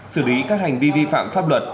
xử lý các hành vi vi phạm pháp luật